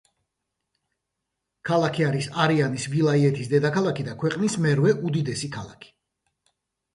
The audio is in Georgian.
ქალაქი არის არიანის ვილაიეთის დედაქალაქი და ქვეყნის მერვე უდიდესი ქალაქი.